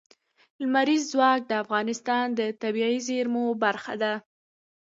لمریز ځواک د افغانستان د طبیعي زیرمو برخه ده.